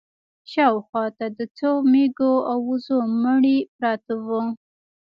شا و خوا ته د څو مېږو او وزو مړي پراته وو.